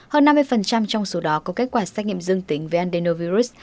hơn năm mươi trong số đó có kết quả xét nghiệm dương tính về adenovirus